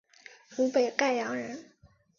湖北沔阳人。